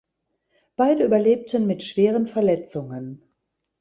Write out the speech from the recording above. Beide überlebten mit schweren Verletzungen.